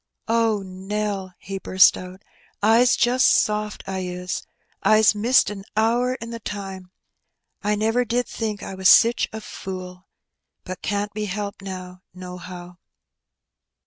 '^ Oh, Nell !'' he burst out, ^' I's just soft, I is. I's missed a hour in the time. I never did think I was sich a fool. But can't be helped now, nohow."